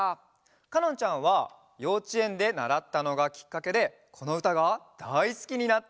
かのんちゃんはようちえんでならったのがきっかけでこのうたがだいすきになったんだって！